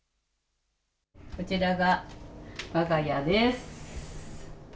こちらがわが家です。